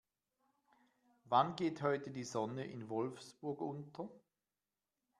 Wann geht heute die Sonne in Wolfsburg unter?